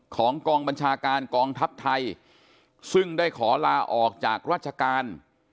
ของกองบัญชาการกองทัพไทยซึ่งได้ขอลาออกจากราชการ